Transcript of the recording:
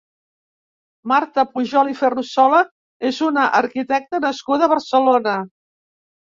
Marta Pujol i Ferrusola és una arquitecta nascuda a Barcelona.